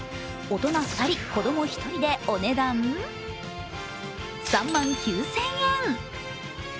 大人２人、子ども１人でお値段３万９０００円。